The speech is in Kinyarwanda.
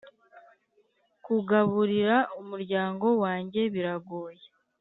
kugaburira umuryango wanjye biragoye